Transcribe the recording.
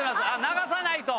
流さないと！